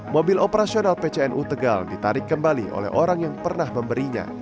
mobil operasional pcnu tegal ditarik kembali oleh orang yang pernah memberinya